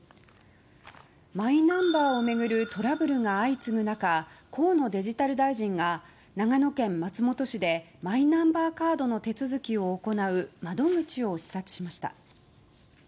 マイナンバーを巡るトラブルが相次ぐ中河野デジタル大臣が長野県松本市でマイナンバーカードの手続きを行う窓口を視察しました。